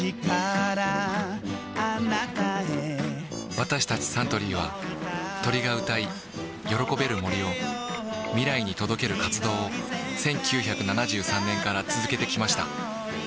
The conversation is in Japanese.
私たちサントリーは鳥が歌い喜べる森を未来に届ける活動を１９７３年から続けてきました